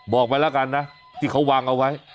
บอกไว้แล้วกันนะที่เขาวางเอาไว้